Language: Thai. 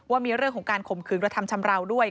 ว่ามีเรื่องของการข่มขืนกระทำชำราวด้วย